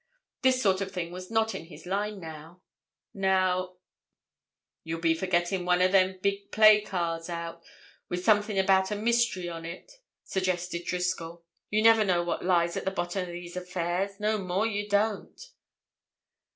This sort of thing was not in his line now, now— "You'll be for getting one o' them big play cards out with something about a mystery on it," suggested Driscoll. "You never know what lies at the bottom o' these affairs, no more you don't."